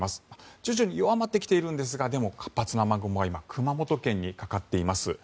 徐々に弱まってきているんですがでも、活発な雨雲は今、熊本県にかかっています。